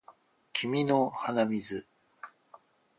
君の鼻水